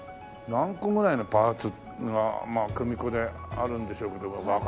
何個ぐらいのパーツが組子であるんでしょうけどわかりませんよね。